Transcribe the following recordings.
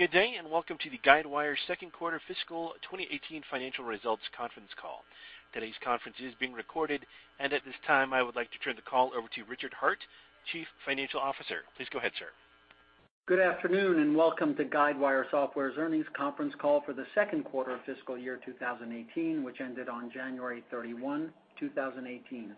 Good day. Welcome to the Guidewire 2nd quarter fiscal 2018 financial results conference call. Today's conference is being recorded, and at this time, I would like to turn the call over to Richard Hart, Chief Financial Officer. Please go ahead, sir. Good afternoon. Welcome to Guidewire Software's earnings conference call for the 2nd quarter of fiscal year 2018, which ended on January 31, 2018.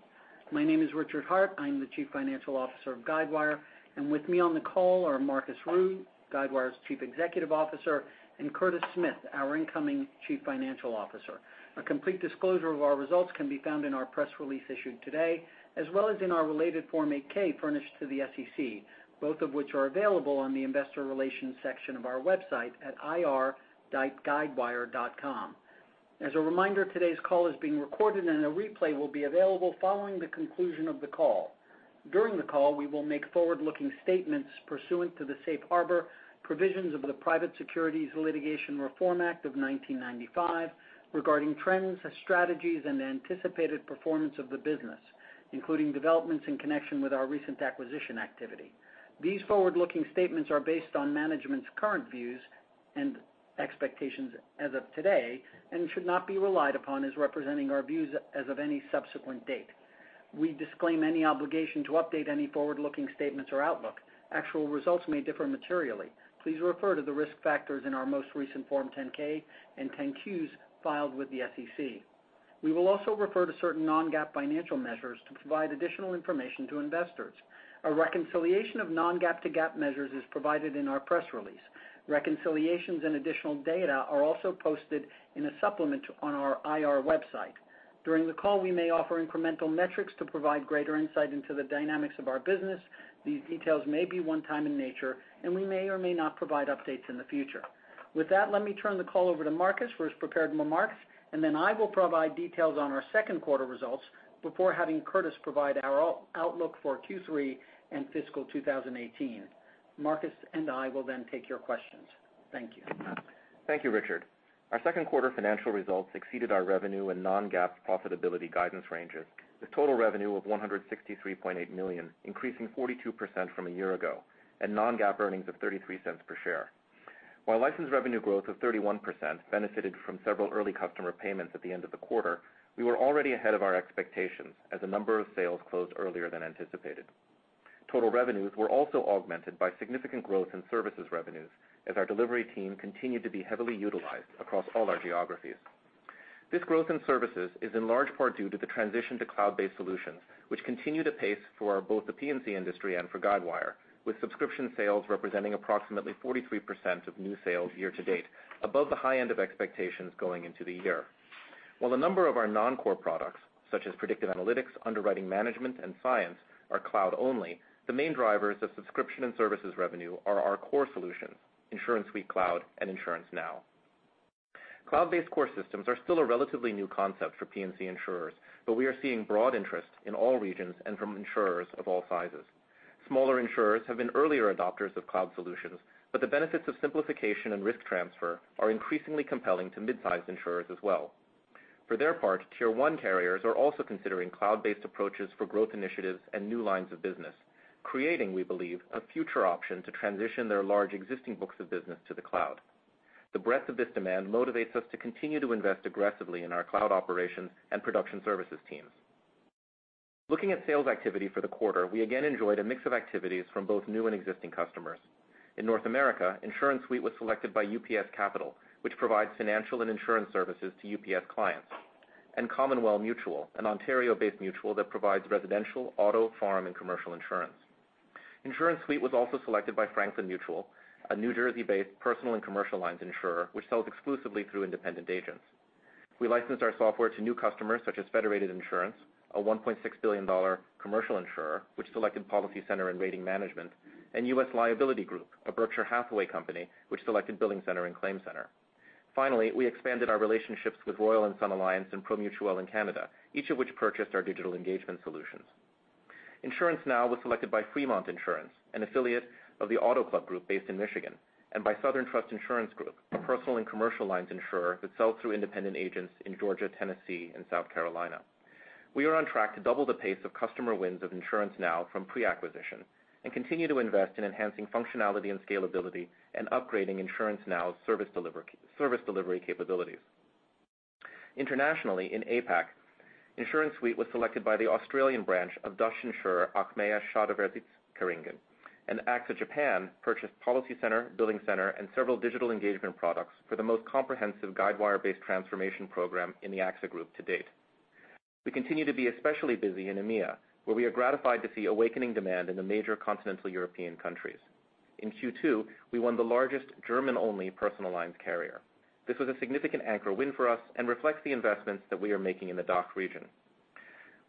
My name is Richard Hart. I'm the Chief Financial Officer of Guidewire, and with me on the call are Marcus Ryu, Guidewire's Chief Executive Officer, and Curtis Smith, our incoming Chief Financial Officer. A complete disclosure of our results can be found in our press release issued today, as well as in our related Form 8-K furnished to the SEC, both of which are available on the investor relations section of our website at ir.guidewire.com. As a reminder, today's call is being recorded, a replay will be available following the conclusion of the call. During the call, we will make forward-looking statements pursuant to the safe harbor provisions of the Private Securities Litigation Reform Act of 1995 regarding trends, strategies, and the anticipated performance of the business, including developments in connection with our recent acquisition activity. These forward-looking statements are based on management's current views and expectations as of today and should not be relied upon as representing our views as of any subsequent date. We disclaim any obligation to update any forward-looking statements or outlook. Actual results may differ materially. Please refer to the risk factors in our most recent Form 10-K and 10-Qs filed with the SEC. We will also refer to certain non-GAAP financial measures to provide additional information to investors. A reconciliation of non-GAAP to GAAP measures is provided in our press release. Reconciliations and additional data are also posted in a supplement on our IR website. During the call, we may offer incremental metrics to provide greater insight into the dynamics of our business. These details may be one-time in nature. We may or may not provide updates in the future. With that, let me turn the call over to Marcus for his prepared remarks, and then I will provide details on our 2nd quarter results before having Curtis provide our outlook for Q3 and fiscal 2018. Marcus and I will take your questions. Thank you. Thank you, Richard. Our second quarter financial results exceeded our revenue and non-GAAP profitability guidance ranges, with total revenue of $163.8 million, increasing 42% from a year ago, and non-GAAP earnings of $0.33 per share. While licensed revenue growth of 31% benefited from several early customer payments at the end of the quarter, we were already ahead of our expectations as a number of sales closed earlier than anticipated. Total revenues were also augmented by significant growth in services revenues as our delivery team continued to be heavily utilized across all our geographies. This growth in services is in large part due to the transition to cloud-based solutions, which continue to pace for both the P&C industry and for Guidewire, with subscription sales representing approximately 43% of new sales year to date, above the high end of expectations going into the year. While a number of our non-core products, such as predictive analytics, underwriting management, and Cyence, are cloud-only, the main drivers of subscription and services revenue are our core solutions, InsuranceSuite Cloud and InsuranceNow. Cloud-based core systems are still a relatively new concept for P&C insurers, but we are seeing broad interest in all regions and from insurers of all sizes. Smaller insurers have been earlier adopters of cloud solutions, but the benefits of simplification and risk transfer are increasingly compelling to midsize insurers as well. For their part, tier 1 carriers are also considering cloud-based approaches for growth initiatives and new lines of business, creating, we believe, a future option to transition their large existing books of business to the cloud. The breadth of this demand motivates us to continue to invest aggressively in our cloud operations and production services teams. Looking at sales activity for the quarter, we again enjoyed a mix of activities from both new and existing customers. In North America, InsuranceSuite was selected by UPS Capital, which provides financial and insurance services to UPS clients, and Commonwell Mutual, an Ontario-based mutual that provides residential, auto, farm, and commercial insurance. InsuranceSuite was also selected by Franklin Mutual, a New Jersey-based personal and commercial lines insurer, which sells exclusively through independent agents. We licensed our software to new customers such as Federated Insurance, a $1.6 billion commercial insurer, which selected PolicyCenter and Rating Management, and US Liability Group, a Berkshire Hathaway company, which selected BillingCenter and ClaimCenter. Finally, we expanded our relationships with Royal & Sun Alliance and Promutuel in Canada, each of which purchased our digital engagement solutions. InsuranceNow was selected by Fremont Insurance, an affiliate of the Auto Club Group based in Michigan, and by Southern Trust Insurance Company, a personal and commercial lines insurer that sells through independent agents in Georgia, Tennessee, and South Carolina. We are on track to double the pace of customer wins of InsuranceNow from pre-acquisition and continue to invest in enhancing functionality and scalability and upgrading InsuranceNow's service delivery capabilities. Internationally, in APAC, InsuranceSuite was selected by the Australian branch of Achmea Schadeverzekeringen N.V., and AXA Japan purchased PolicyCenter, BillingCenter, and several digital engagement products for the most comprehensive Guidewire-based transformation program in the AXA group to date. We continue to be especially busy in EMEA, where we are gratified to see awakening demand in the major continental European countries. In Q2, we won the largest German-only personal lines carrier. This was a significant anchor win for us and reflects the investments that we are making in the DACH region.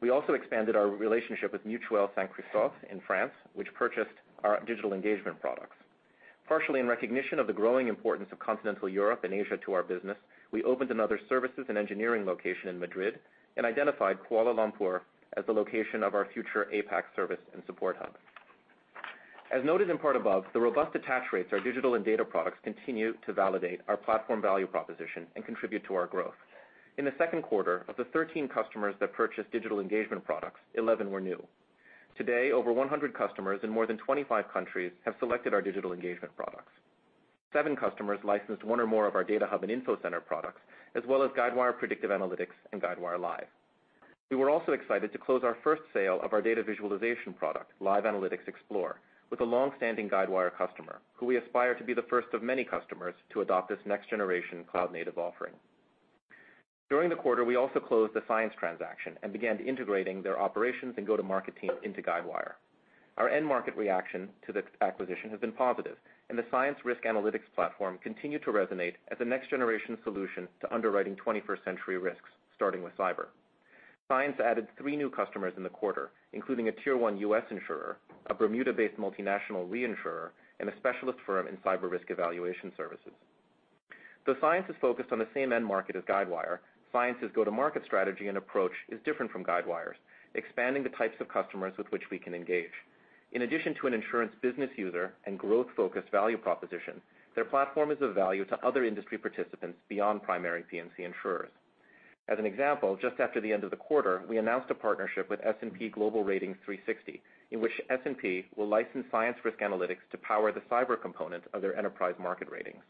We also expanded our relationship with Mutuelle Saint-Christophe in France, which purchased our digital engagement products. Partially in recognition of the growing importance of continental Europe and Asia to our business, we opened another services and engineering location in Madrid and identified Kuala Lumpur as the location of our future APAC service and support hub. As noted in part above, the robust attach rates our digital and data products continue to validate our platform value proposition and contribute to our growth. In the second quarter, of the 13 customers that purchased digital engagement products, 11 were new. Today, over 100 customers in more than 25 countries have selected our digital engagement products. Seven customers licensed one or more of our DataHub and InfoCenter products, as well as Guidewire Predictive Analytics and Guidewire Live. We were also excited to close our first sale of our data visualization product, Live Analytics—Explore, with a long-standing Guidewire customer who we aspire to be the first of many customers to adopt this next-generation cloud-native offering. During the quarter, we also closed the Cyence transaction and began integrating their operations and go-to-market team into Guidewire. Our end market reaction to this acquisition has been positive, and the Cyence risk analytics platform continued to resonate as a next-generation solution to underwriting 21st-century risks, starting with cyber. Cyence added three new customers in the quarter, including a tier-1 U.S. insurer, a Bermuda-based multinational reinsurer, and a specialist firm in cyber risk evaluation services. Though Cyence is focused on the same end market as Guidewire, Cyence's go-to-market strategy and approach is different from Guidewire's, expanding the types of customers with which we can engage. In addition to an insurance business user and growth-focused value proposition, their platform is of value to other industry participants beyond primary P&C insurers. As an example, just after the end of the quarter, we announced a partnership with S&P Global Ratings 360, in which S&P will license Cyence risk analytics to power the cyber component of their enterprise market ratings.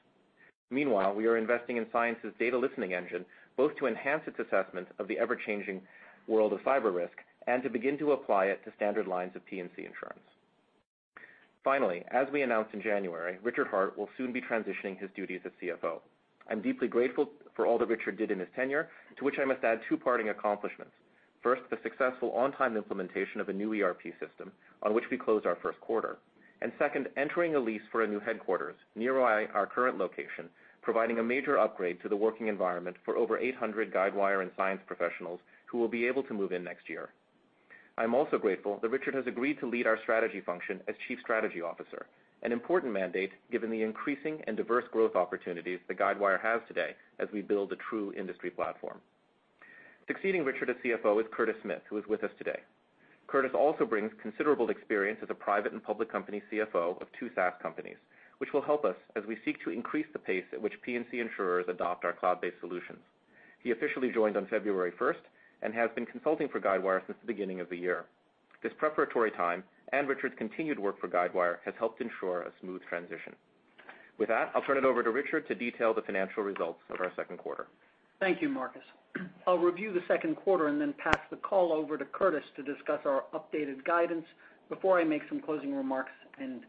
Meanwhile, we are investing in Cyence's data listening engine, both to enhance its assessment of the ever-changing world of cyber risk and to begin to apply it to standard lines of P&C insurance. Finally, as we announced in January, Richard Hart will soon be transitioning his duties as CFO. I'm deeply grateful for all that Richard did in his tenure, to which I must add two parting accomplishments. First, the successful on-time implementation of a new ERP system on which we closed our first quarter, and second, entering a lease for a new headquarters near our current location, providing a major upgrade to the working environment for over 800 Guidewire and Cyence professionals who will be able to move in next year. I'm also grateful that Richard has agreed to lead our strategy function as Chief Strategy Officer, an important mandate given the increasing and diverse growth opportunities that Guidewire has today as we build a true industry platform. Succeeding Richard as CFO is Curtis Smith, who is with us today. Curtis also brings considerable experience as a private and public company CFO of two SaaS companies, which will help us as we seek to increase the pace at which P&C insurers adopt our cloud-based solutions. He officially joined on February 1st and has been consulting for Guidewire since the beginning of the year. This preparatory time and Richard's continued work for Guidewire has helped ensure a smooth transition. With that, I'll turn it over to Richard to detail the financial results of our second quarter. Thank you, Marcus. I'll review the second quarter and then pass the call over to Curtis to discuss our updated guidance before I make some closing remarks and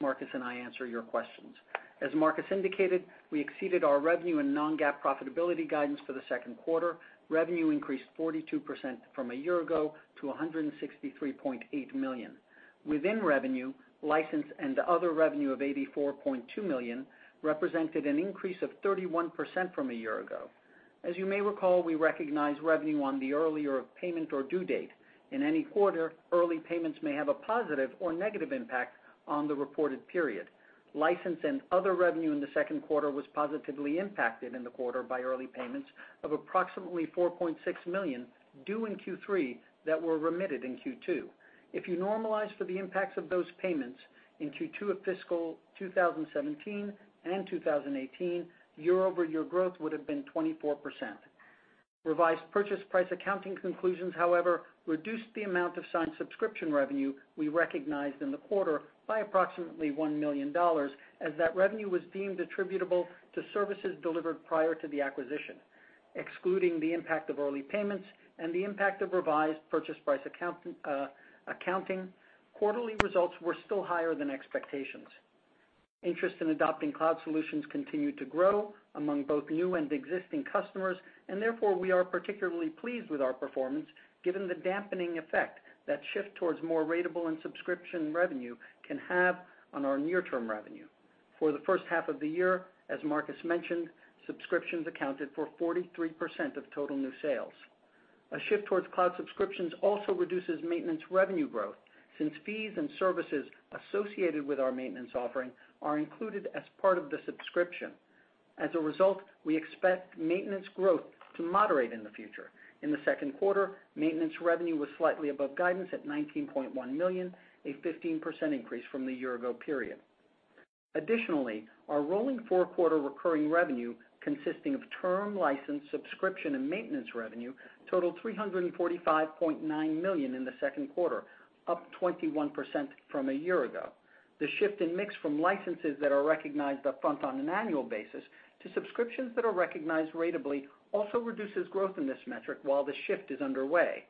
Marcus and I answer your questions. As Marcus indicated, we exceeded our revenue and non-GAAP profitability guidance for the second quarter. Revenue increased 42% from a year ago to $163.8 million. Within revenue, license and other revenue of $84.2 million represented an increase of 31% from a year ago. As you may recall, we recognize revenue on the earlier of payment or due date. In any quarter, early payments may have a positive or negative impact on the reported period. License and other revenue in the second quarter was positively impacted in the quarter by early payments of approximately $4.6 million due in Q3 that were remitted in Q2. If you normalize for the impacts of those payments in Q2 of fiscal 2017 and 2018, year-over-year growth would have been 24%. Revised purchase price accounting conclusions, however, reduced the amount of Cyence subscription revenue we recognized in the quarter by approximately $1 million, as that revenue was deemed attributable to services delivered prior to the acquisition. Excluding the impact of early payments and the impact of revised purchase price accounting, quarterly results were still higher than expectations. Therefore, we are particularly pleased with our performance given the dampening effect that shift towards more ratable and subscription revenue can have on our near-term revenue. For the first half of the year, as Marcus mentioned, subscriptions accounted for 43% of total new sales. A shift towards cloud subscriptions also reduces maintenance revenue growth, since fees and services associated with our maintenance offering are included as part of the subscription. As a result, we expect maintenance growth to moderate in the future. In the second quarter, maintenance revenue was slightly above guidance at $19.1 million, a 15% increase from the year-ago period. Our rolling four-quarter recurring revenue, consisting of term license, subscription, and maintenance revenue, totaled $345.9 million in the second quarter, up 21% from a year ago. The shift in mix from licenses that are recognized upfront on an an annual basis to subscriptions that are recognized ratably also reduces growth in this metric while the shift is underway.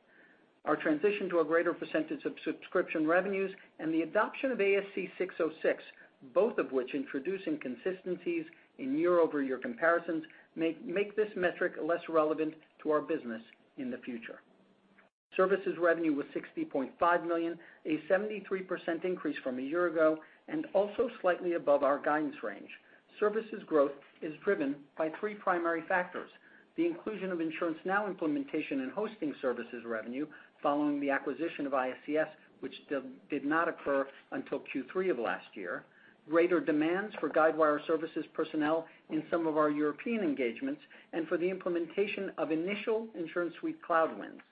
Our transition to a greater percentage of subscription revenues and the adoption of ASC 606, both of which introduce inconsistencies in year-over-year comparisons, make this metric less relevant to our business in the future. Services revenue was $60.5 million, a 73% increase from a year ago, and also slightly above our guidance range. Services growth is driven by three primary factors: the inclusion of InsuranceNow implementation and hosting services revenue following the acquisition of ISCS, which did not occur until Q3 of last year; greater demands for Guidewire services personnel in some of our European engagements and for the implementation of initial InsuranceSuite Cloud wins;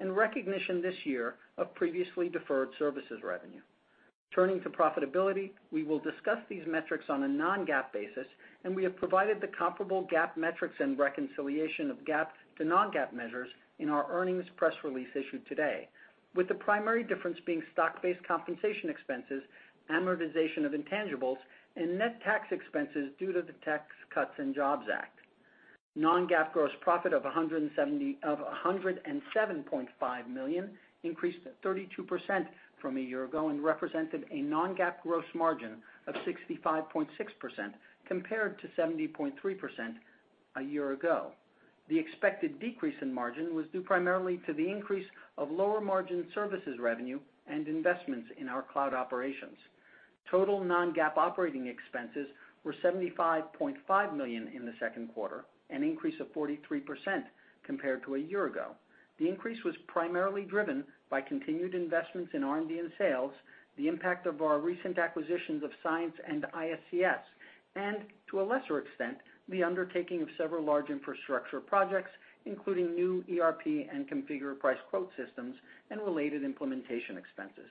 and recognition this year of previously deferred services revenue. Turning to profitability, we will discuss these metrics on a non-GAAP basis, and we have provided the comparable GAAP metrics and reconciliation of GAAP to non-GAAP measures in our earnings press release issued today, with the primary difference being stock-based compensation expenses, amortization of intangibles, and net tax expenses due to the Tax Cuts and Jobs Act. Non-GAAP gross profit of $107.5 million increased 32% from a year ago and represented a non-GAAP gross margin of 65.6%, compared to 70.3% a year ago. The expected decrease in margin was due primarily to the increase of lower-margin services revenue and investments in our cloud operations. Total non-GAAP operating expenses were $75.5 million in the second quarter, an increase of 43% compared to a year ago. The increase was primarily driven by continued investments in R&D and sales, the impact of our recent acquisitions of Cyence and ISCS, and, to a lesser extent, the undertaking of several large infrastructure projects, including new ERP and configure price quote systems and related implementation expenses.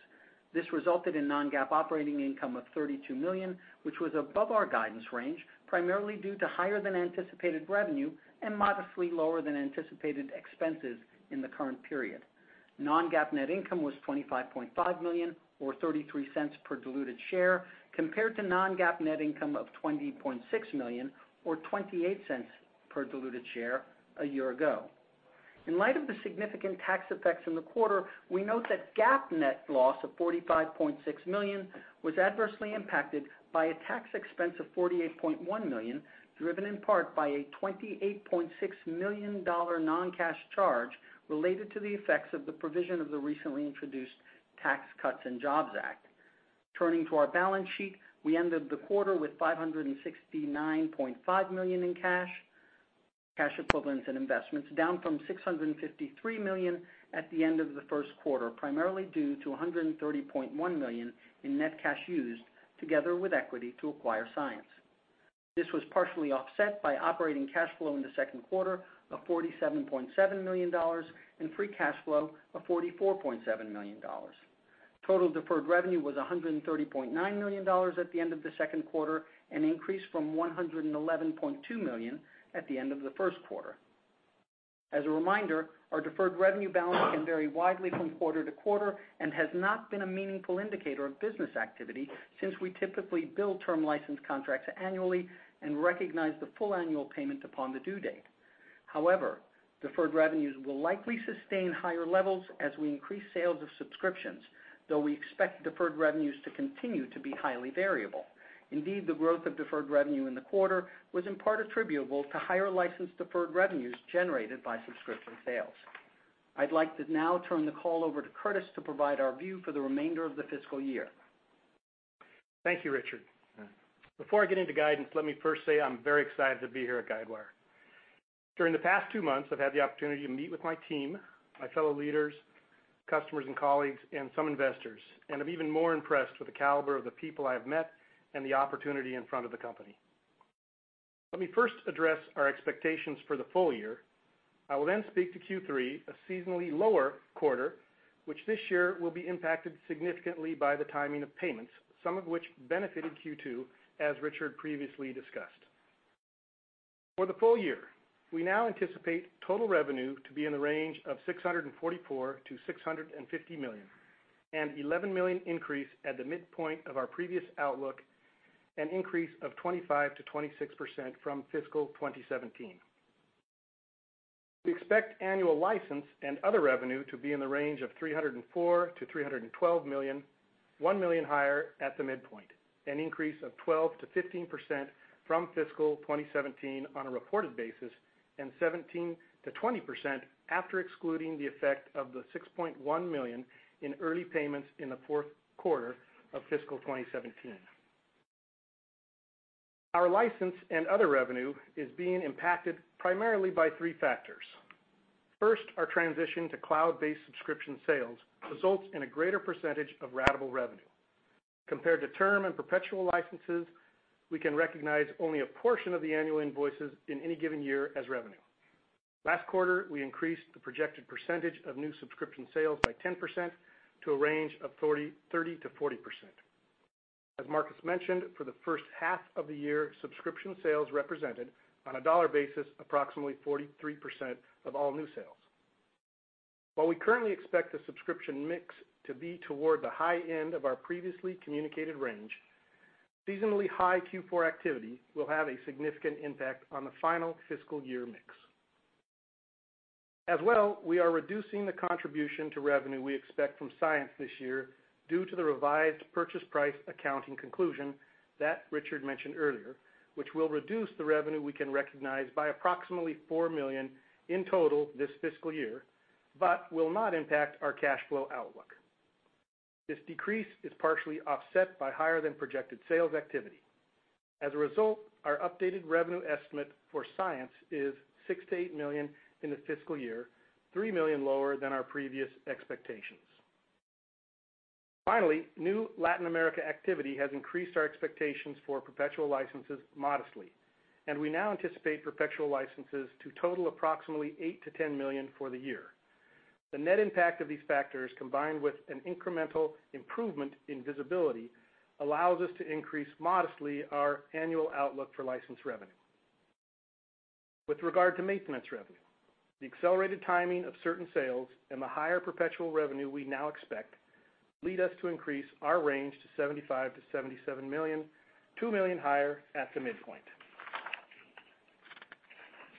This resulted in non-GAAP operating income of $32 million, which was above our guidance range, primarily due to higher-than-anticipated revenue and modestly lower than anticipated expenses in the current period. Non-GAAP net income was $25.5 million, or $0.33 per diluted share, compared to non-GAAP net income of $20.6 million or $0.28 per diluted share a year ago. In light of the significant tax effects in the quarter, we note that GAAP net loss of $45.6 million was adversely impacted by a tax expense of $48.1 million, driven in part by a $28.6 million non-cash charge related to the effects of the provision of the recently introduced Tax Cuts and Jobs Act. Turning to our balance sheet, we ended the quarter with $569.5 million in cash equivalents, and investments, down from $653 million at the end of the first quarter, primarily due to $130.1 million in net cash used together with equity to acquire Cyence. This was partially offset by operating cash flow in the second quarter of $47.7 million and free cash flow of $44.7 million. Total deferred revenue was $130.9 million at the end of the second quarter, an increase from $111.2 million at the end of the first quarter. As a reminder, our deferred revenue balance can vary widely from quarter to quarter and has not been a meaningful indicator of business activity since we typically bill term license contracts annually and recognize the full annual payment upon the due date. However, deferred revenues will likely sustain higher levels as we increase sales of subscriptions, though we expect deferred revenues to continue to be highly variable. Indeed, the growth of deferred revenue in the quarter was in part attributable to higher license deferred revenues generated by subscription sales. I'd like to now turn the call over to Curtis to provide our view for the remainder of the fiscal year. Thank you, Richard. Before I get into guidance, let me first say I'm very excited to be here at Guidewire. During the past two months, I've had the opportunity to meet with my team, my fellow leaders, customers, and colleagues, and some investors, and I'm even more impressed with the caliber of the people I have met and the opportunity in front of the company. Let me first address our expectations for the full year. I will speak to Q3, a seasonally lower quarter, which this year will be impacted significantly by the timing of payments, some of which benefited Q2, as Richard previously discussed. For the full year, we now anticipate total revenue to be in the range of $644 million-$650 million, an $11 million increase at the midpoint of our previous outlook, an increase of 25%-26% from fiscal 2017. We expect annual license and other revenue to be in the range of $304 million-$312 million, $1 million higher at the midpoint, an increase of 12%-15% from fiscal 2017 on a reported basis, and 17%-20% after excluding the effect of the $6.1 million in early payments in the fourth quarter of fiscal 2017. Our license and other revenue is being impacted primarily by three factors. First, our transition to cloud-based subscription sales results in a greater percentage of ratable revenue. Compared to term and perpetual licenses, we can recognize only a portion of the annual invoices in any given year as revenue. Last quarter, we increased the projected percentage of new subscription sales by 10% to a range of 30%-40%. As Marcus mentioned, for the first half of the year, subscription sales represented, on a dollar basis, approximately 43% of all new sales. While we currently expect the subscription mix to be toward the high end of our previously communicated range, seasonally high Q4 activity will have a significant impact on the final fiscal year mix. We are reducing the contribution to revenue we expect from Cyence this year due to the revised purchase price accounting conclusion that Richard mentioned earlier, which will reduce the revenue we can recognize by approximately $4 million in total this fiscal year, but will not impact our cash flow outlook. This decrease is partially offset by higher-than-projected sales activity. As a result, our updated revenue estimate for Cyence is $6 million-$8 million in the fiscal year, $3 million lower than our previous expectations. Finally, new Latin America activity has increased our expectations for perpetual licenses modestly, and we now anticipate perpetual licenses to total approximately $8 million-$10 million for the year. The net impact of these factors, combined with an incremental improvement in visibility, allows us to increase modestly our annual outlook for license revenue. With regard to maintenance revenue, the accelerated timing of certain sales and the higher perpetual revenue we now expect lead us to increase our range to $75 million-$77 million, $2 million higher at the midpoint.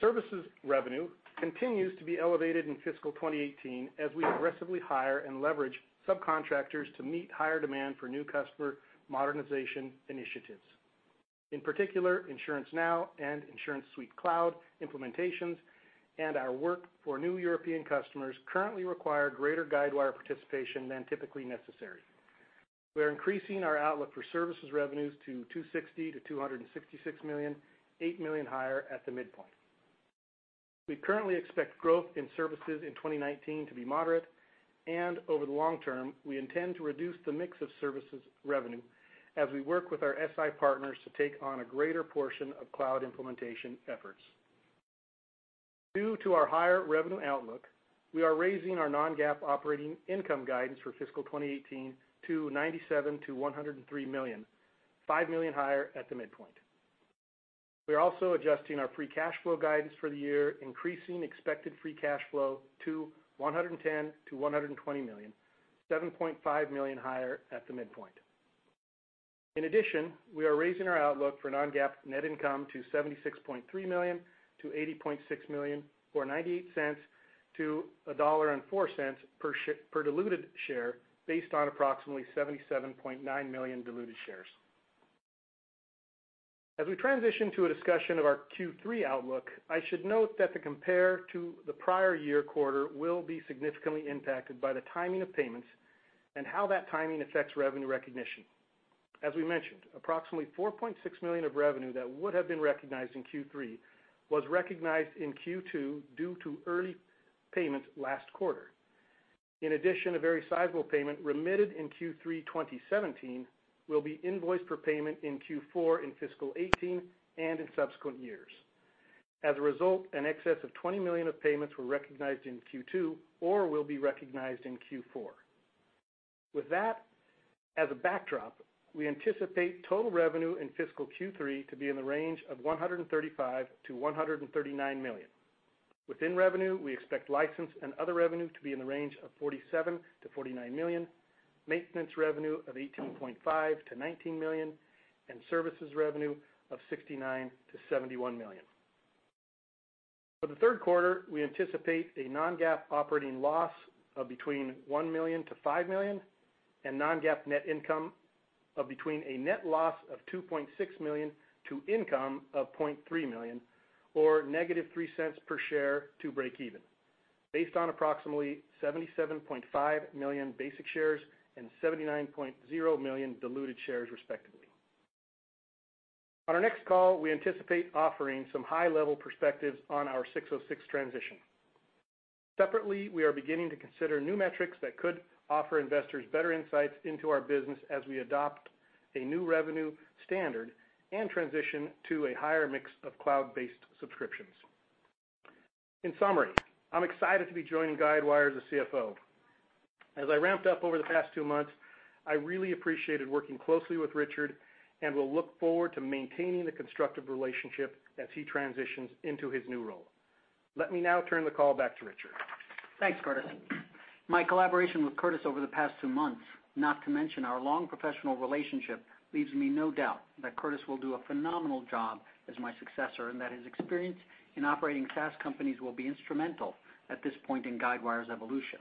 Services revenue continues to be elevated in fiscal 2018 as we aggressively hire and leverage subcontractors to meet higher demand for new customer modernization initiatives. In particular, InsuranceNow and InsuranceSuite Cloud implementations and our work for new European customers currently require greater Guidewire participation than typically necessary. We're increasing our outlook for services revenues to $260 million-$266 million, $8 million higher at the midpoint. We currently expect growth in services in 2019 to be moderate. Over the long term, we intend to reduce the mix of services revenue as we work with our SI partners to take on a greater portion of cloud implementation efforts. Due to our higher revenue outlook, we are raising our non-GAAP operating income guidance for fiscal 2018 to $97 million-$103 million, $5 million higher at the midpoint. We are also adjusting our free cash flow guidance for the year, increasing expected free cash flow to $110 million-$120 million, $7.5 million higher at the midpoint. In addition, we are raising our outlook for non-GAAP net income to $76.3 million-$80.6 million, or $0.98-$1.04 per diluted share, based on approximately 77.9 million diluted shares. As we transition to a discussion of our Q3 outlook, I should note that the compare to the prior year quarter will be significantly impacted by the timing of payments and how that timing affects revenue recognition. As we mentioned, approximately $4.6 million of revenue that would have been recognized in Q3 was recognized in Q2 due to early payment last quarter. In addition, a very sizable payment remitted in Q3 2017 will be invoiced for payment in Q4 in fiscal 2018 and in subsequent years. As a result, an excess of $20 million of payments were recognized in Q2 or will be recognized in Q4. With that as a backdrop, we anticipate total revenue in fiscal Q3 to be in the range of $135 million-$139 million. Within revenue, we expect license and other revenue to be in the range of $47 million-$49 million, maintenance revenue of $18.5 million-$19 million, and services revenue of $69 million-$71 million. For the third quarter, we anticipate a non-GAAP operating loss of between $1 million and $5 million and non-GAAP net income of between a net loss of $2.6 million to income of $0.3 million, or negative $0.03 per share to breakeven, based on approximately 77.5 million basic shares and 79.0 million diluted shares, respectively. On our next call, we anticipate offering some high-level perspectives on our 606 transition. Separately, we are beginning to consider new metrics that could offer investors better insights into our business as we adopt a new revenue standard and transition to a higher mix of cloud-based subscriptions. In summary, I'm excited to be joining Guidewire as a CFO. As I ramped up over the past two months, I really appreciated working closely with Richard and will look forward to maintaining the constructive relationship as he transitions into his new role. Let me now turn the call back to Richard. Thanks, Curtis. My collaboration with Curtis over the past two months, not to mention our long professional relationship, leaves me no doubt that Curtis will do a phenomenal job as my successor and that his experience in operating SaaS companies will be instrumental at this point in Guidewire's evolution.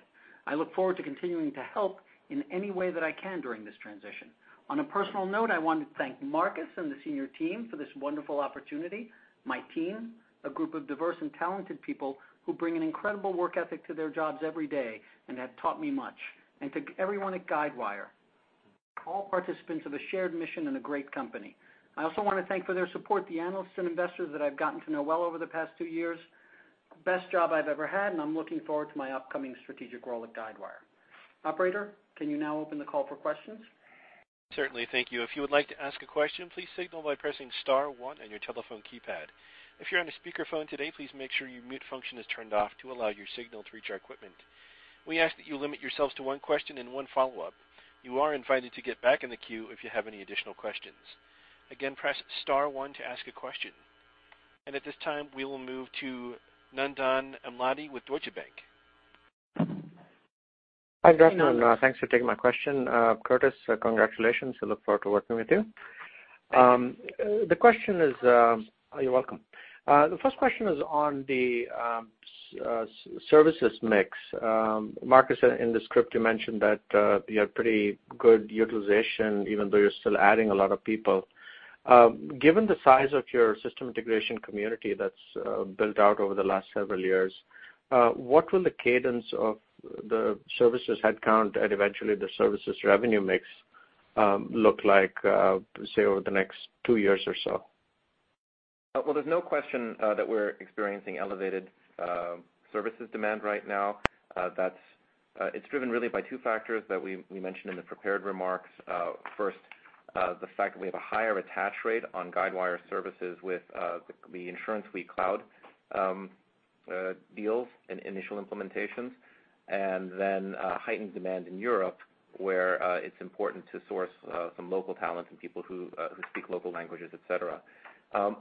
I look forward to continuing to help in any way that I can during this transition. On a personal note, I want to thank Marcus and the senior team for this wonderful opportunity, my team, a group of diverse and talented people who bring an incredible work ethic to their jobs every day and have taught me much, and to everyone at Guidewire, all participants of a shared mission and a great company. I also want to thank for their support the analysts and investors that I've gotten to know well over the past two years. Best job I've ever had. I'm looking forward to my upcoming strategic role at Guidewire. Operator, can you now open the call for questions? Certainly. Thank you. If you would like to ask a question, please signal by pressing star one on your telephone keypad. If you're on a speakerphone today, please make sure your mute function is turned off to allow your signal to reach our equipment. We ask that you limit yourselves to one question and one follow-up. You are invited to get back in the queue if you have any additional questions. Again, press star one to ask a question. At this time, we will move to Nandan Amladi with Deutsche Bank. Hi, gentlemen. Thanks for taking my question. Curtis, congratulations. I look forward to working with you. Thank you. You're welcome. The first question is on the services mix. Marcus, in the script, you mentioned that you have pretty good utilization, even though you're still adding a lot of people. Given the size of your system integration community that's built out over the last several years, what will the cadence of the services headcount and eventually the services revenue mix look like, say, over the next two years or so? Well, there's no question that we're experiencing elevated services demand right now. It's driven really by two factors that we mentioned in the prepared remarks. First, the fact that we have a higher attach rate on Guidewire services with the InsuranceSuite Cloud deals and initial implementations, and then heightened demand in Europe, where it's important to source some local talent and people who speak local languages, et cetera.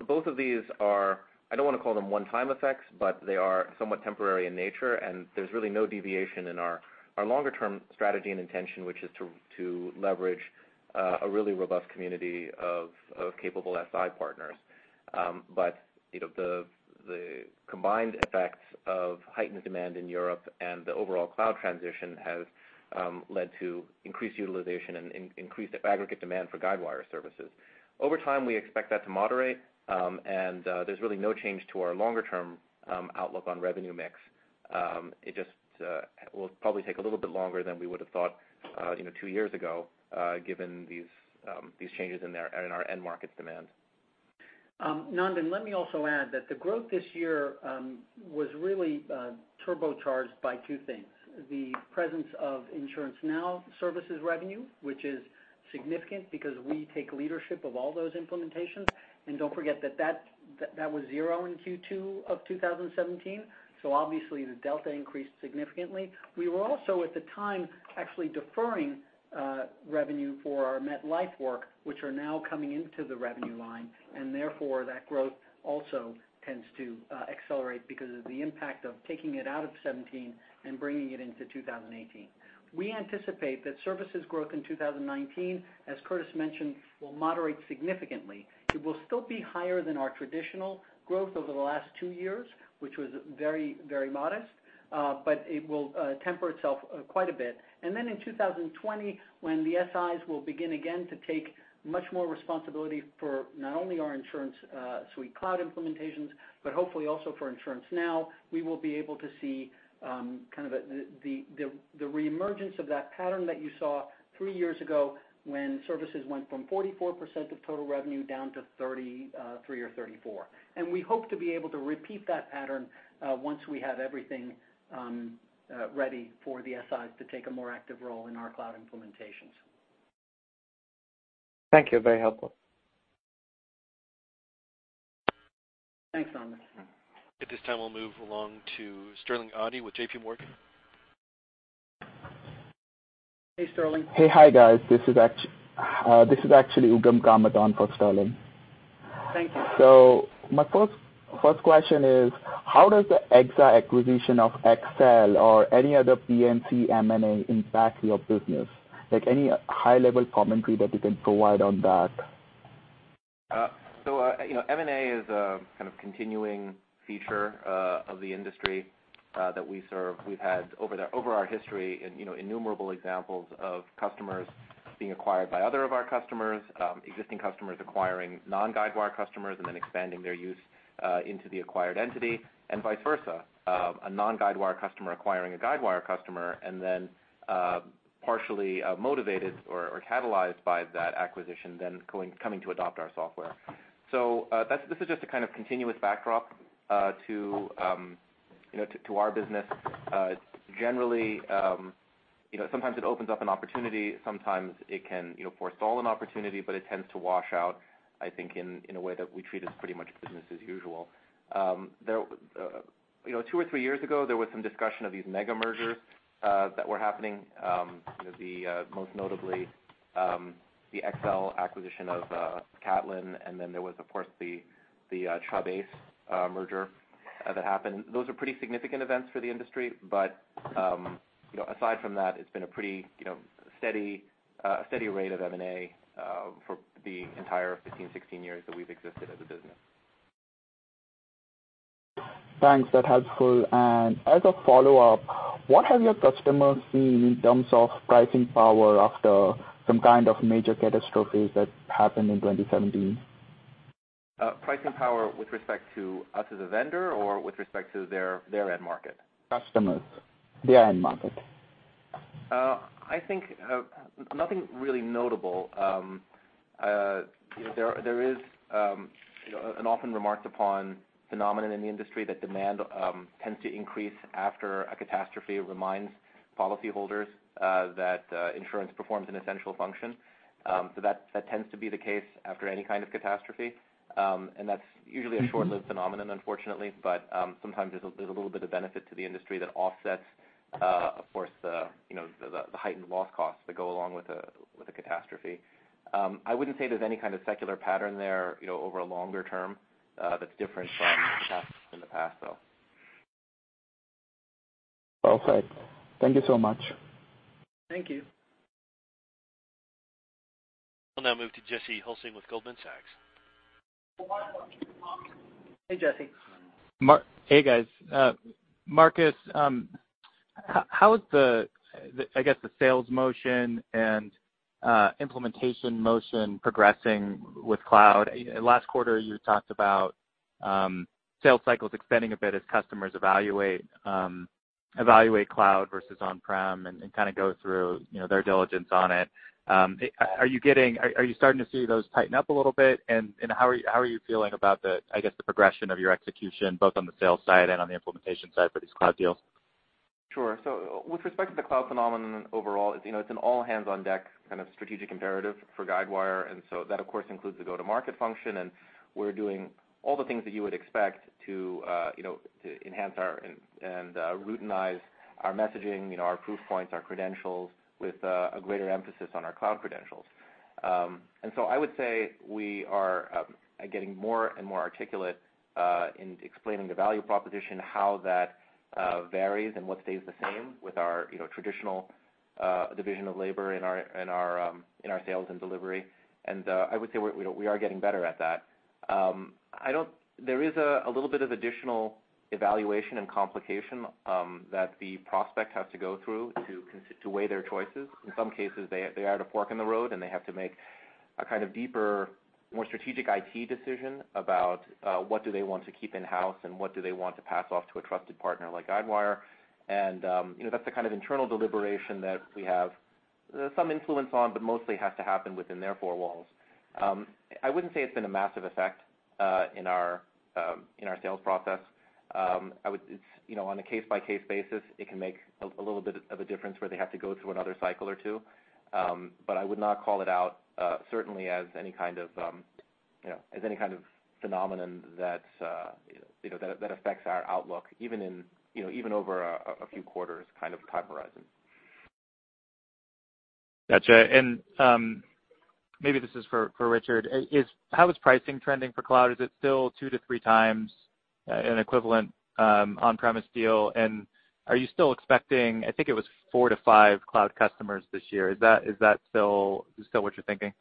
Both of these are, I don't want to call them one-time effects, but they are somewhat temporary in nature, and there's really no deviation in our longer-term strategy and intention, which is to leverage a really robust community of capable SI partners. The combined effects of heightened demand in Europe and the overall cloud transition has led to increased utilization and increased aggregate demand for Guidewire services. Over time, we expect that to moderate, and there's really no change to our longer-term outlook on revenue mix. It just will probably take a little bit longer than we would've thought two years ago given these changes in our end markets demand. Nandan, let me also add that the growth this year was really turbocharged by two things. The presence of InsuranceNow services revenue, which is significant because we take leadership of all those implementations. Don't forget that was zero in Q2 of 2017, so obviously the delta increased significantly. We were also, at the time, actually deferring revenue for our MetLife work, which are now coming into the revenue line, and therefore that growth also tends to accelerate because of the impact of taking it out of 2017 and bringing it into 2018. We anticipate that services growth in 2019, as Curtis mentioned, will moderate significantly. It will still be higher than our traditional growth over the last two years, which was very modest. It will temper itself quite a bit. In 2020, when the SIs will begin again to take much more responsibility for not only our InsuranceSuite Cloud implementations, but hopefully also for InsuranceNow, we will be able to see kind of the reemergence of that pattern that you saw three years ago when services went from 44% of total revenue down to 33% or 34%. We hope to be able to repeat that pattern once we have everything ready for the SIs to take a more active role in our cloud implementations. Thank you. Very helpful. Thanks, Nandan Amladi. At this time, we'll move along to Sterling Auty with JPMorgan. Hey, Sterling Auty. Hey. Hi, guys. This is actually Ugam Kamadhan for Sterling Auty. Thank you. My first question is, how does the AXA acquisition of XL or any other P&C M&A impact your business? Like, any high-level commentary that you can provide on that? M&A is a kind of continuing feature of the industry that we serve. We've had, over our history, innumerable examples of customers being acquired by other of our customers, existing customers acquiring non-Guidewire customers, and then expanding their use into the acquired entity and vice versa. A non-Guidewire customer acquiring a Guidewire customer and then partially motivated or catalyzed by that acquisition, then coming to adopt our software. This is just a kind of continuous backdrop to our business. Generally, sometimes it opens up an opportunity, sometimes it can forestall an opportunity, but it tends to wash out, I think, in a way that we treat as pretty much business as usual. Two or three years ago, there was some discussion of these mega mergers that were happening. The most notably the XL acquisition of Catlin, and then there was, of course, the Chubb ACE merger that happened. Those are pretty significant events for the industry. Aside from that, it's been a pretty steady rate of M&A for the entire 15, 16 years that we've existed as a business. Thanks. That's helpful. As a follow-up, what have your customers seen in terms of pricing power after some kind of major catastrophes that happened in 2017? Pricing power with respect to us as a vendor or with respect to their end market? Customers. Their end market. I think nothing really notable. There is an often remarked-upon phenomenon in the industry that demand tends to increase after a catastrophe. It reminds policyholders that insurance performs an essential function. That tends to be the case after any kind of catastrophe. That's usually a short-lived phenomenon unfortunately, but sometimes there's a little bit of benefit to the industry that offsets, of course, the heightened loss costs that go along with a catastrophe. I wouldn't say there's any kind of secular pattern there over a longer term that's different from the past, though. Perfect. Thank you so much. Thank you. We'll now move to Jesse Hulsing with Goldman Sachs. Hey, Jesse. Hey, guys. Marcus, how is the, I guess the sales motion and implementation motion progressing with cloud? Last quarter you talked about sales cycles extending a bit as customers evaluate cloud versus on-prem and kind of go through their diligence on it. Are you starting to see those tighten up a little bit? How are you feeling about the, I guess, the progression of your execution both on the sales side and on the implementation side for these cloud deals? Sure. With respect to the cloud phenomenon overall, it's an all-hands-on-deck kind of strategic imperative for Guidewire. That, of course, includes the go-to-market function, and we're doing all the things that you would expect to enhance and routinize our messaging, our proof points, our credentials, with a greater emphasis on our cloud credentials. I would say we are getting more and more articulate in explaining the value proposition, how that varies, and what stays the same with our traditional division of labor in our sales and delivery. I would say we are getting better at that. There is a little bit of additional evaluation and complication that the prospect has to go through to weigh their choices. In some cases, they are at a fork in the road, and they have to make a kind of deeper, more strategic IT decision about what do they want to keep in-house and what do they want to pass off to a trusted partner like Guidewire. That's the kind of internal deliberation that we have some influence on, but mostly has to happen within their four walls. I wouldn't say it's been a massive effect in our sales process. On a case-by-case basis, it can make a little bit of a difference where they have to go through another cycle or two. I would not call it out, certainly as any kind of phenomenon that affects our outlook, even over a few quarters kind of time horizon. Got you. Maybe this is for Richard. How is pricing trending for cloud? Is it still two to three times an equivalent on-premise deal? Are you still expecting, I think it was four to five cloud customers this year. Is that still what you're thinking?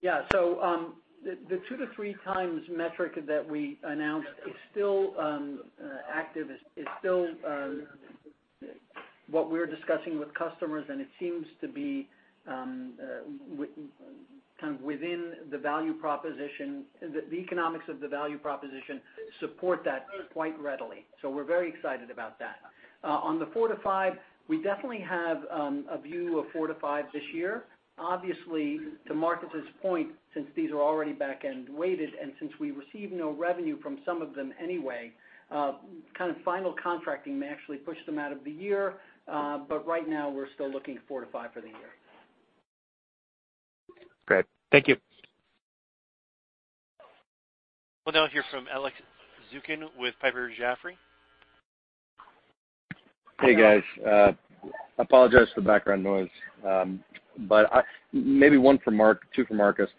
The two to three times metric that we announced is still active, is still what we're discussing with customers, and it seems to be kind of within the value proposition. The economics of the value proposition support that quite readily. We're very excited about that. On the four to five, we definitely have a view of four to five this year. Obviously, to Marcus' point, since these are already back-end weighted and since we receive no revenue from some of them anyway, kind of final contracting may actually push them out of the year. Right now, we're still looking at four to five for the year. Great. Thank you. We'll now hear from Alex Zukin with Piper Jaffray. Hey, guys. I apologize for the background noise. Maybe two for Marcus.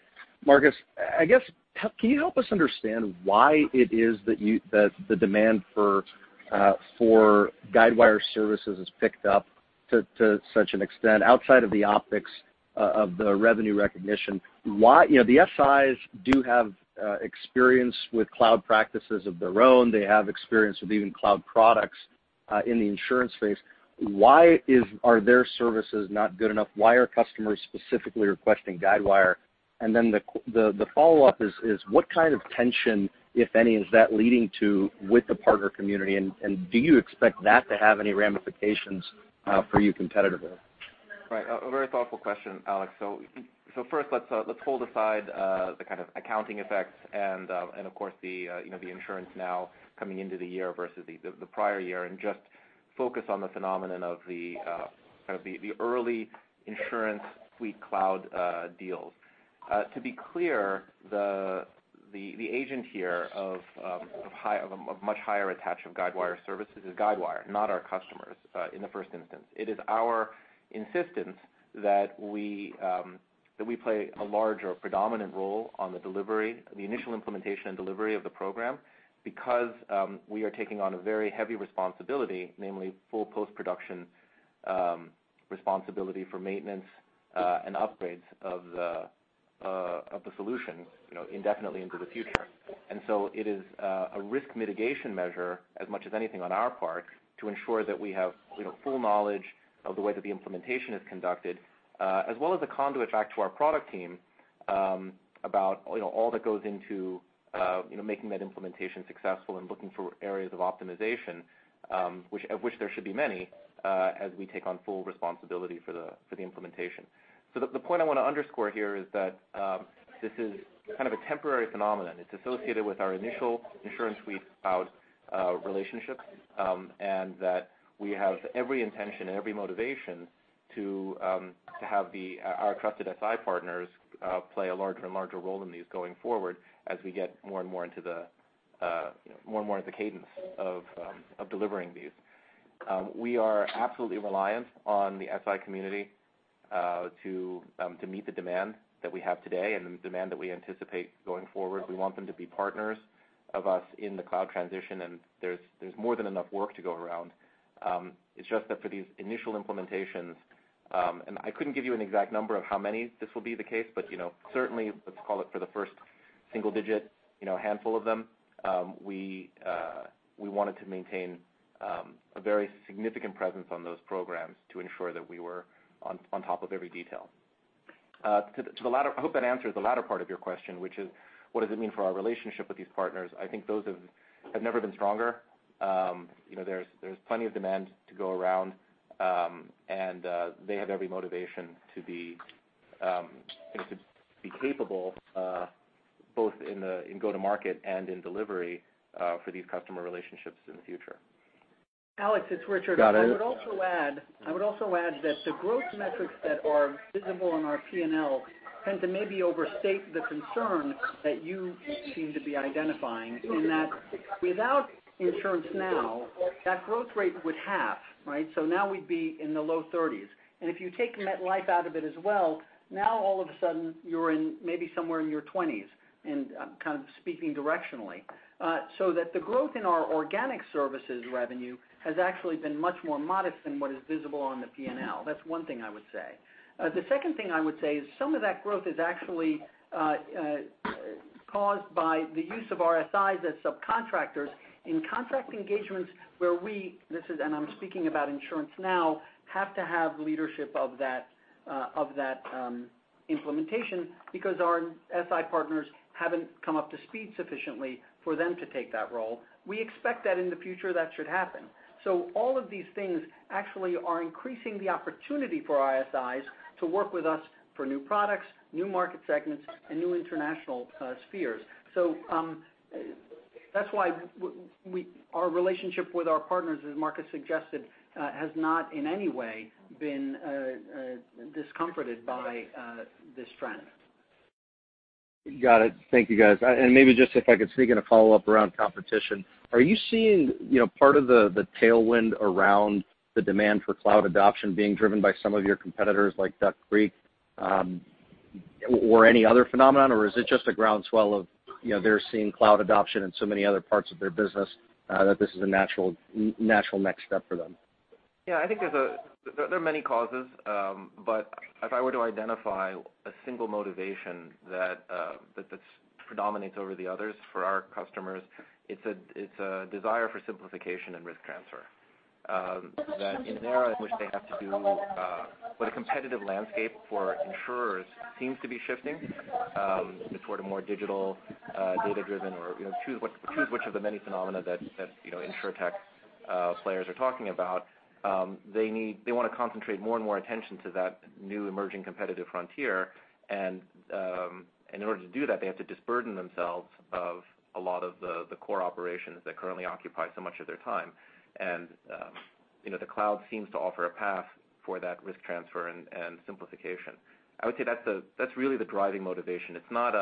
Marcus, I guess, can you help us understand why it is that the demand for Guidewire services has picked up to such an extent, outside of the optics of the revenue recognition? The SIs do have experience with cloud practices of their own. They have experience with even cloud products in the insurance space. Why are their services not good enough? Why are customers specifically requesting Guidewire? The follow-up is, what kind of tension, if any, is that leading to with the partner community, and do you expect that to have any ramifications for you competitively? Right. A very thoughtful question, Alex. First, let's hold aside the kind of accounting effects and, of course, the InsuranceNow coming into the year versus the prior year and just focus on the phenomenon of the kind of the early InsuranceSuite Cloud deals. To be clear, the agent here of a much higher attach of Guidewire services is Guidewire, not our customers, in the first instance. It is our insistence that we play a large or predominant role on the initial implementation and delivery of the program because we are taking on a very heavy responsibility, namely full post-production responsibility for maintenance and upgrades of the solutions indefinitely into the future. It is a risk mitigation measure as much as anything on our part to ensure that we have full knowledge of the way that the implementation is conducted, as well as a conduit back to our product team about all that goes into making that implementation successful and looking for areas of optimization, of which there should be many, as we take on full responsibility for the implementation. The point I want to underscore here is that this is kind of a temporary phenomenon. It's associated with our initial InsuranceSuite Cloud relationships, and that we have every intention and every motivation to have our trusted SI partners play a larger and larger role in these going forward as we get more and more into the cadence of delivering these. We are absolutely reliant on the SI community to meet the demand that we have today and the demand that we anticipate going forward. We want them to be partners of us in the cloud transition, there's more than enough work to go around. It's just that for these initial implementations, I couldn't give you an exact number of how many this will be the case, but certainly, let's call it for the first single-digit handful of them, we wanted to maintain a very significant presence on those programs to ensure that we were on top of every detail. I hope that answers the latter part of your question, which is, what does it mean for our relationship with these partners? I think those have never been stronger. There's plenty of demand to go around. They have every motivation to be capable both in go-to-market and in delivery for these customer relationships in the future. Alex, it's Richard. Got it. I would also add that the growth metrics that are visible on our P&L tend to maybe overstate the concern that you seem to be identifying, in that without InsuranceNow, that growth rate would halve, right? Now we'd be in the low 30s. If you take MetLife out of it as well, now all of a sudden you're maybe somewhere in your 20s, and I'm kind of speaking directionally. That the growth in our organic services revenue has actually been much more modest than what is visible on the P&L. That's one thing I would say. The second thing I would say is some of that growth is actually caused by the use of SIs as subcontractors in contract engagements where we, and I'm speaking about InsuranceNow, have to have leadership of that implementation because our SI partners haven't come up to speed sufficiently for them to take that role. We expect that in the future, that should happen. All of these things actually are increasing the opportunity for SIs to work with us for new products, new market segments, and new international spheres. That's why our relationship with our partners, as Marcus suggested, has not in any way been discomforted by this trend. Got it. Thank you, guys. Maybe just if I could sneak in a follow-up around competition. Are you seeing part of the tailwind around the demand for cloud adoption being driven by some of your competitors like Duck Creek, or any other phenomenon? Is it just a ground swell of they're seeing cloud adoption in so many other parts of their business that this is a natural next step for them? Yeah, I think there are many causes. If I were to identify a single motivation that predominates over the others for our customers, it's a desire for simplification and risk transfer. That in an era in which they have to do with a competitive landscape for insurers seems to be shifting toward a more digital, data-driven, or choose which of the many phenomena that InsurTech players are talking about. They want to concentrate more and more attention to that new emerging competitive frontier. In order to do that, they have to disburden themselves of a lot of the core operations that currently occupy so much of their time. The cloud seems to offer a path for that risk transfer and simplification. I would say that's really the driving motivation. It's not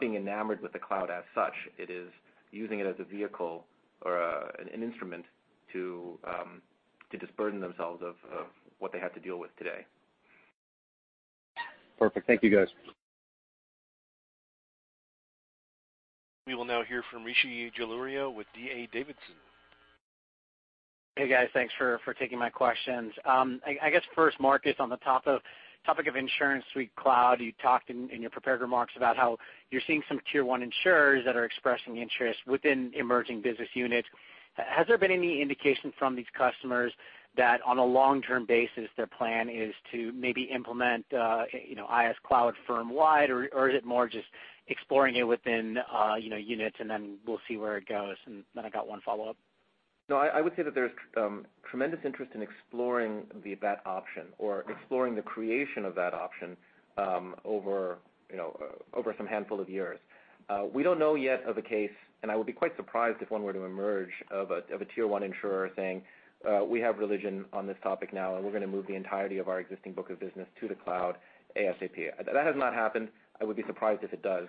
being enamored with the cloud as such. It is using it as a vehicle or an instrument to disburden themselves of what they have to deal with today. Perfect. Thank you, guys. We will now hear from Rishi Jaluria with D.A. Davidson. Hey, guys. Thanks for taking my questions. I guess first, Marcus, on the topic of InsuranceSuite Cloud, you talked in your prepared remarks about how you're seeing some tier 1 insurers that are expressing interest within emerging business units. Has there been any indication from these customers that on a long-term basis their plan is to maybe implement IS Cloud firm wide or is it more just exploring it within units and then we'll see where it goes? I got one follow-up. I would say that there's tremendous interest in exploring that option or exploring the creation of that option over some handful of years. We don't know yet of a case, and I would be quite surprised if one were to emerge of a tier 1 insurer saying, "We have religion on this topic now, and we're going to move the entirety of our existing book of business to the cloud ASAP." That has not happened. I would be surprised if it does.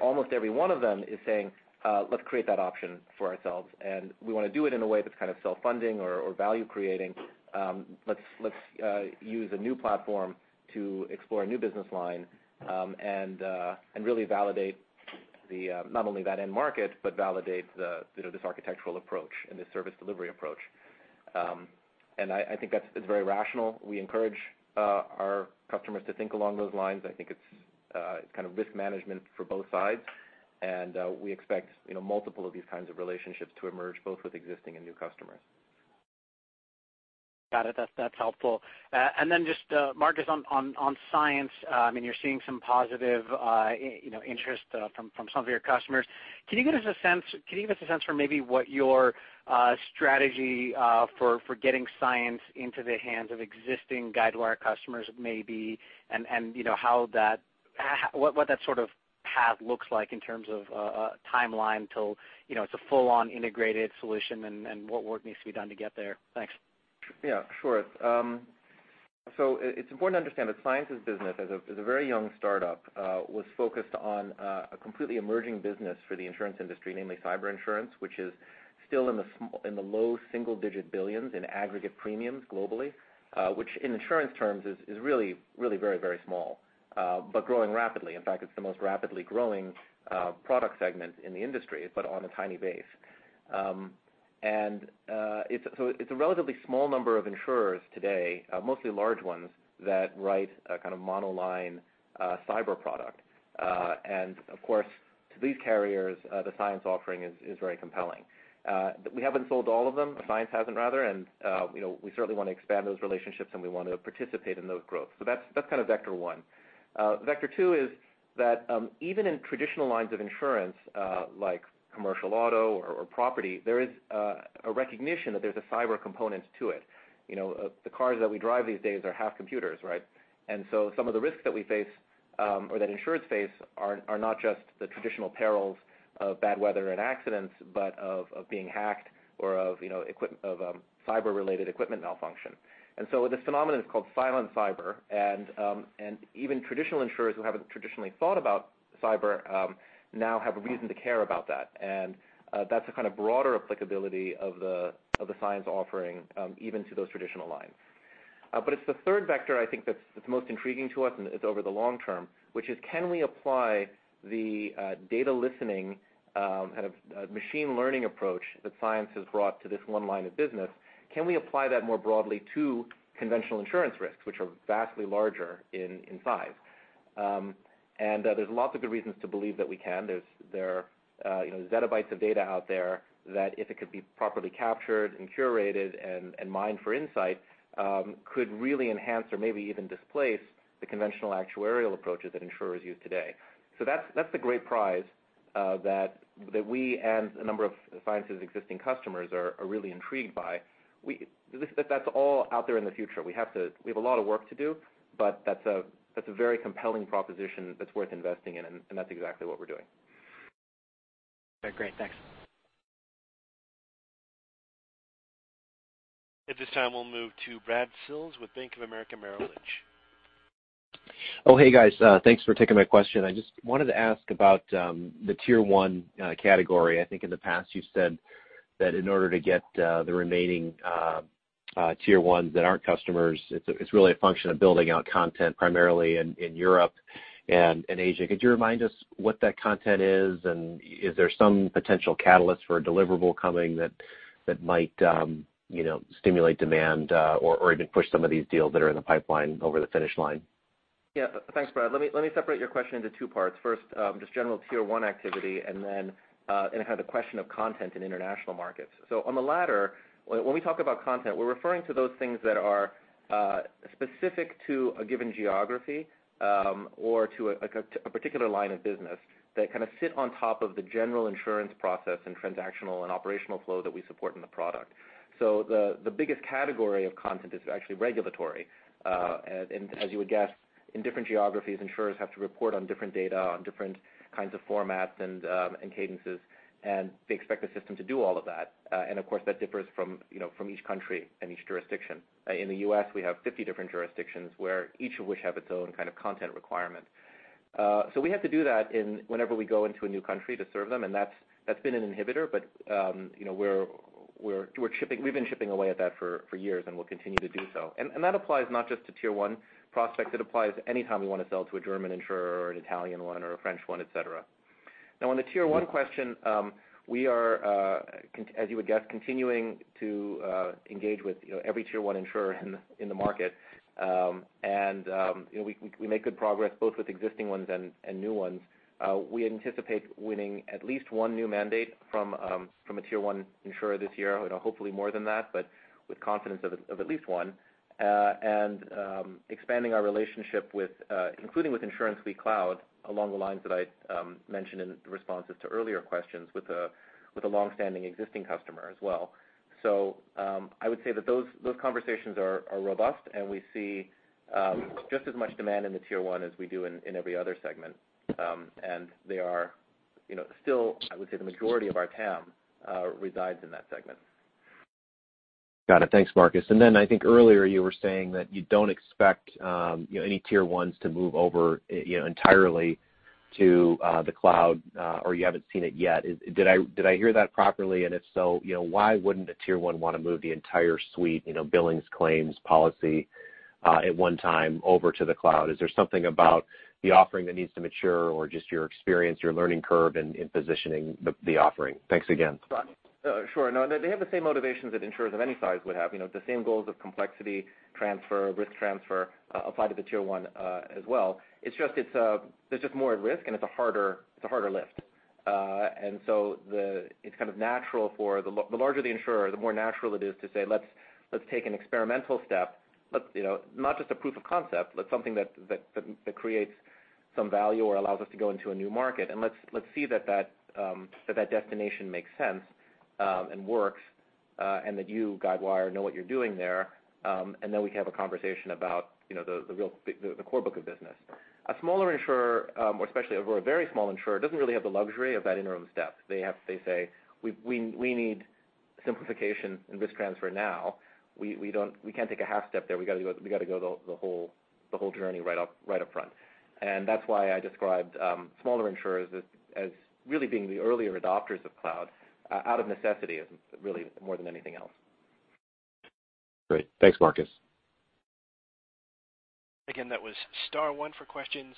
Almost every one of them is saying, "Let's create that option for ourselves, and we want to do it in a way that's kind of self-funding or value-creating. Let's use a new platform to explore a new business line and really validate not only that end market, but validate this architectural approach and this service delivery approach." I think that's very rational. We encourage our customers to think along those lines. I think it's kind of risk management for both sides. We expect multiple of these kinds of relationships to emerge, both with existing and new customers. Got it. That's helpful. Marcus, on Cyence, you're seeing some positive interest from some of your customers. Can you give us a sense for maybe what your strategy for getting Cyence into the hands of existing Guidewire customers may be, and what that sort of path looks like in terms of a timeline till it's a full-on integrated solution and what work needs to be done to get there? Thanks. Yeah, sure. It's important to understand that Cyence's business, as a very young startup, was focused on a completely emerging business for the insurance industry, namely cyber insurance, which is still in the low single-digit billions in aggregate premiums globally. Which in insurance terms is really very small, but growing rapidly. In fact, it's the most rapidly growing product segment in the industry, but on a tiny base. It's a relatively small number of insurers today, mostly large ones, that write a kind of monoline cyber product. To these carriers, the Cyence offering is very compelling. We haven't sold all of them, Cyence hasn't rather, and we certainly want to expand those relationships, and we want to participate in those growth. That's kind of vector one. Vector two is that even in traditional lines of insurance, like commercial auto or property, there is a recognition that there's a cyber component to it. The cars that we drive these days are half computers, right? Some of the risks that we face or that insureds face are not just the traditional perils of bad weather and accidents, but of being hacked or of cyber-related equipment malfunction. This phenomenon is called silent cyber. Even traditional insurers who haven't traditionally thought about cyber now have a reason to care about that. That's a kind of broader applicability of the Cyence offering even to those traditional lines. It's the third vector I think that's most intriguing to us, and it's over the long term, which is can we apply the data listening kind of machine learning approach that Cyence has brought to this one line of business? Can we apply that more broadly to conventional insurance risks, which are vastly larger in size? There's lots of good reasons to believe that we can. There's zettabytes of data out there that, if it could be properly captured and curated and mined for insight, could really enhance or maybe even displace the conventional actuarial approaches that insurers use today. That's the great prize that we and a number of Cyence's existing customers are really intrigued by. That's all out there in the future. We have a lot of work to do, but that's a very compelling proposition that's worth investing in, and that's exactly what we're doing. Okay, great. Thanks. At this time, we'll move to Brad Sills with Bank of America Merrill Lynch. Oh, hey, guys. Thanks for taking my question. I just wanted to ask about the tier 1 category. I think in the past you said that in order to get the remaining tier 1s that aren't customers, it's really a function of building out content primarily in Europe and in Asia. Could you remind us what that content is? Is there some potential catalyst for a deliverable coming that might stimulate demand or even push some of these deals that are in the pipeline over the finish line? Yeah. Thanks, Brad. Let me separate your question into two parts. First, just general tier 1 activity and then kind of the question of content in international markets. On the latter, when we talk about content, we're referring to those things that are specific to a given geography or to a particular line of business that kind of sit on top of the general insurance process and transactional and operational flow that we support in the product. The biggest category of content is actually regulatory. As you would guess, in different geographies, insurers have to report on different data, on different kinds of formats and cadences, and they expect the system to do all of that. Of course, that differs from each country and each jurisdiction. In the U.S., we have 50 different jurisdictions where each of which have its own kind of content requirement. We have to do that whenever we go into a new country to serve them, and that's been an inhibitor. We've been chipping away at that for years, and we'll continue to do so. That applies not just to tier 1 prospects. It applies anytime we want to sell to a German insurer or an Italian one or a French one, et cetera. Now, on the tier 1 question, we are, as you would guess, continuing to engage with every tier 1 insurer in the market. We make good progress both with existing ones and new ones. We anticipate winning at least one new mandate from a tier 1 insurer this year, hopefully more than that, but with confidence of at least one. Expanding our relationship including with InsuranceSuite Cloud, along the lines that I mentioned in responses to earlier questions with a longstanding existing customer as well. I would say that those conversations are robust, and we see just as much demand in the tier 1 as we do in every other segment. They are still, I would say, the majority of our TAM resides in that segment. Got it. Thanks, Marcus. I think earlier you were saying that you don't expect any tier 1s to move over entirely to the cloud, or you haven't seen it yet. Did I hear that properly? If so, why wouldn't a tier 1 want to move the entire suite, billings, claims, policy at one time over to the cloud? Is there something about the offering that needs to mature or just your experience, your learning curve in positioning the offering? Thanks again. Sure. No, they have the same motivations that insurers of any size would have. The same goals of complexity transfer, risk transfer apply to the tier 1 as well. It's just there's more at risk and it's a harder lift. It's kind of natural for the larger the insurer, the more natural it is to say, "Let's take an experimental step, not just a proof of concept, but something that creates some value or allows us to go into a new market. Let's see that that destination makes sense and works and that you, Guidewire, know what you're doing there. Then we can have a conversation about the core book of business." A smaller insurer, or especially a very small insurer, doesn't really have the luxury of that interim step. They say, "We need simplification and risk transfer now. We can't take a half step there. We got to go the whole journey right up front." That's why I described smaller insurers as really being the earlier adopters of cloud out of necessity, really more than anything else. Great. Thanks, Marcus. Again, that was star 1 for questions.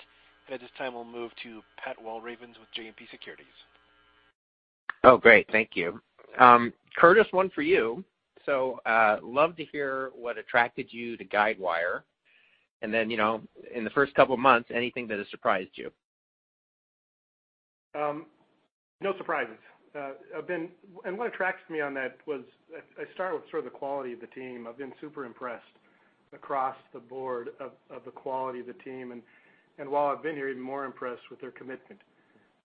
At this time, we'll move to Pat Walravens with JMP Securities. Great. Thank you. Curtis, one for you. Love to hear what attracted you to Guidewire. Then, in the first couple of months, anything that has surprised you. No surprises. What attracts me on that was I started with sort of the quality of the team. I've been super impressed across the board of the quality of the team. While I've been here, even more impressed with their commitment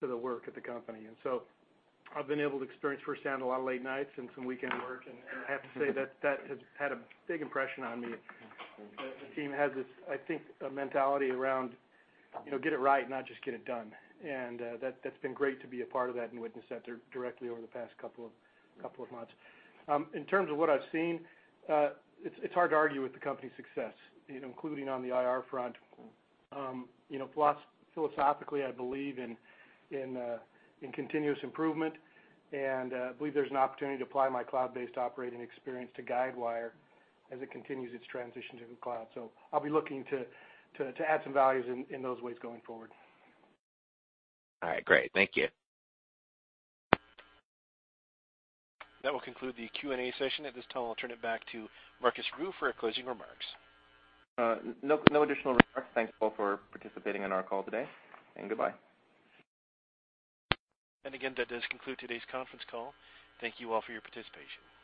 to the work at the company. I've been able to experience firsthand a lot of late nights and some weekend work, and I have to say that has had a big impression on me. The team has this, I think, a mentality around get it right, not just get it done. That's been great to be a part of that and witness that directly over the past couple of months. In terms of what I've seen, it's hard to argue with the company's success, including on the IR front. Philosophically, I believe in continuous improvement, and I believe there's an opportunity to apply my cloud-based operating experience to Guidewire as it continues its transition to the cloud. I'll be looking to add some values in those ways going forward. All right, great. Thank you. That will conclude the Q&A session. At this time, I'll turn it back to Marcus Ryu for closing remarks. No additional remarks. Thanks all for participating on our call today, and goodbye. Again, that does conclude today's conference call. Thank you all for your participation.